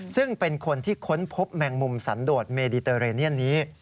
ซึ่งเป็นคนที่ค้นพบแมงมุมสันโดดเมดิเตอร์เรเนียนนี้